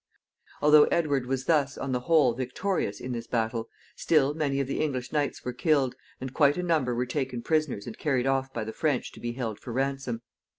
Although Edward was thus, on the whole, victorious in this battle, still many of the English knights were killed, and quite a number were taken prisoners and carried off by the French to be held for ransom.